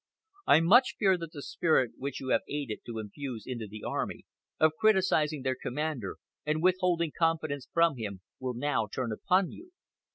I much fear that the spirit which you have aided to infuse into the army, of criticising their commander and withholding confidence from him, will now turn upon you.